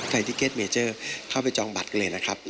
ที่เก็ตเมเจอร์เข้าไปจองบัตรกันเลยนะครับ